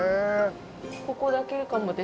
ここだけかもです。